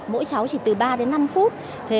mỗi cháu chỉ từ ba đến năm phút